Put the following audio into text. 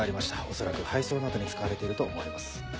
恐らく配送などに使われていると思われます。